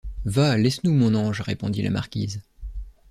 Va, laisse-nous, mon ange, répondit la marquise.